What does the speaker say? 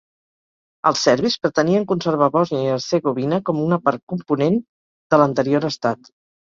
Els serbis pretenien conservar Bòsnia i Hercegovina com una part component de l'anterior estat.